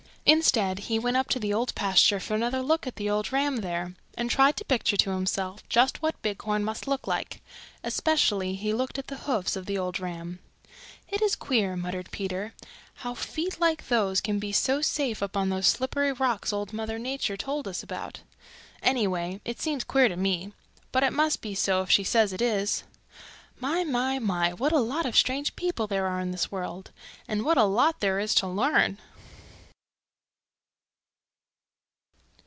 Instead he went up to the Old Pasture for another look at the old ram there and tried to picture to himself just what Bighorn must look like. Especially he looked at the hoofs of the old ram. "It is queer," muttered Peter, "how feet like those can be so safe up on those slippery rocks Old Mother Nature told us about. Anyway, it seems queer to me. But it must be so if she says it is. My, my, my, what a lot of strange people there are in this world! And what a lot there is to learn!"